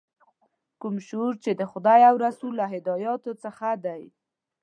کوم شعور چې د خدای او رسول له هدایاتو څخه دی.